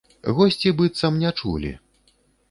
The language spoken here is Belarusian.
Госці быццам не чулі.